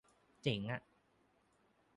เจ๋งอะ